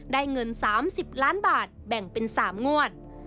เงิน๓๐ล้านบาทแบ่งเป็น๓งวด